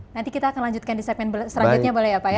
nanti kita akan lanjutkan di segmen selanjutnya boleh ya pak ya